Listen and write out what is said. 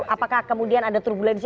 apakah kemudian ada turbulensi